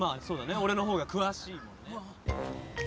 俺の方が詳しいもんね。